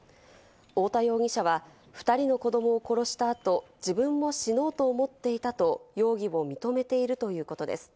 太田容疑者は２人の子どもを殺した後、自分も死のうと思っていたと容疑を認めているということです。